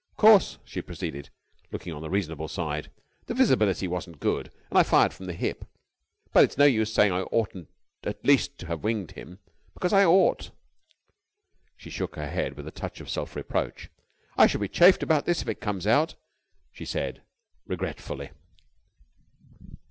Of course," she proceeded, looking on the reasonable side, "the visibility wasn't good, and I fired from the hip, but it's no use saying I oughtn't at least to have winged him, because I ought." She shook her head with a touch of self reproach. "I shall be chaffed about this if it comes out," she said regretfully.